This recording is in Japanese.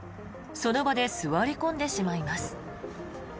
その場で座り込んでしまいます。